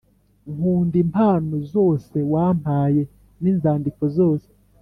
nkunda impano zose wampaye ninzandiko zose